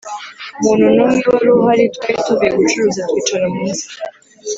muntu n’umwe wari uhari. Twari tuvuye gucuruza twicara munsi